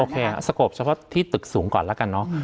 สกบเฉพาะที่ตึกสูงก่อนแล้วกันเนอะ